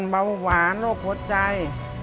เบาหวานโรคหัวใจ